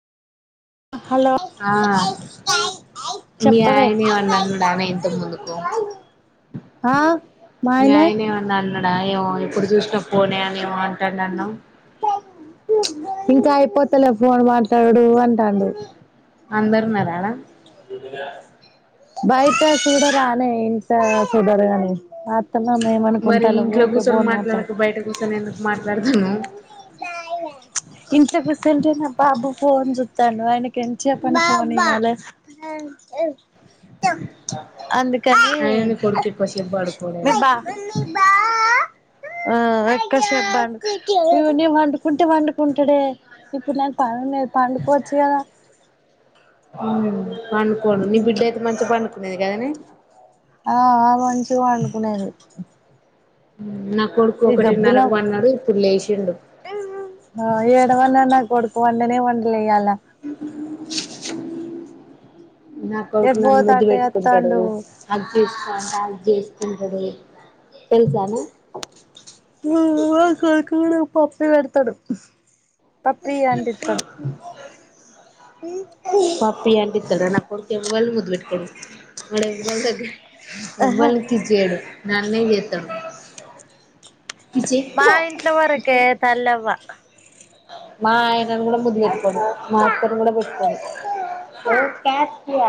Hello ఆ మీ చెప్పవే ఆయనేమడిన్నాడాన ఇంత ముందుకు ఆ మీ మాయన ఆయన ఏమన్నా అన్నాడా ఏమో ఎప్పుడు చూసినప్పు పోనే అనిమ అంటాడు అనువు ఇంకా అయిపోతలే ఫోన్ మాట్లాడు అంటాడు అందరూ [inaudible] అ ఇంత సుధారుగానే [unintelligible] అల మరి మేమనుకుంటాల ఇంట్లో ఊక కూర్చొని పోన్ మాట్లాడక మాట్లాడతా బయట కూర్చొని ఎందుకు మాట్లాడుతున్నావ్ ఇంట్లో కూస్తంటే నా బాబు ఫోన్ చూతాను ఆయనకి ఎంచెపని ఫోన్ ఇవ్వాలి అ అందుకని ఎక్కువసేపు పడుకోడే మీ బా ఆ ఎక్క సెబన్ యూనిమాండ్ కుంటే పండుకుంటాడే ఇప్పుడు నాకు పనున్నది పండుకోవచ్చు కదా. పండుకొడు నీ బిడ్డ అయితే మంచిగా పండుకునేది కదానె ఆ మంచిగా పనుకునేది. నా కొడుకు ఒకటిన్నరకు పన్నాడు ఇప్పుడు లేచ ఏడ వన్నా నా కొడుకు వంటనే వండలేయ్యాలా. నాకు కొడుకు ఎటు నన్ను పోతే ముద్దు అటే పెట్టుకుంటాడు వత్తాండు అ చూసుంట చేస్తుంటడు తెలుసానే ఉ ఉ కా కాడ పప్పే పెడతాడు. అ ప్రియా అంటత్రదు ఉ పియా అంటిత్తడ నా కొడుకు కెవల్ను ముద్బట్టుక అడు ఎవ్వలి దగ్గర ఎవ్వలికి చేయడు. నన్నేం చేత్తడు విచ్చే మా ఇంట్లో వరకే తల్లవ్వ మా ఆయనను కూడా ముదిపెట్టుకోడు మా అత్తని కూడా ముద్దు పెట్టుకో ఓ కేస్ కీయ